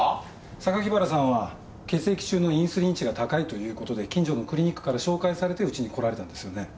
榊原さんは血液中のインスリン値が高いという事で近所のクリニックから紹介されてうちに来られたんですよね。